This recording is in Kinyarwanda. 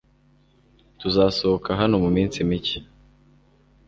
Tuzasohoka hano muminsi mike .